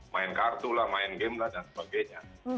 main kartu lah main game lah dan sebagainya